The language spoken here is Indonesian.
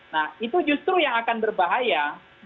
nah itu justru yang akan berbahaya